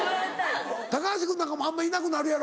高橋君なんかもあんまいなくなるやろ。